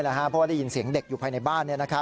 เพราะว่าได้ยินเสียงเด็กอยู่ภายในบ้าน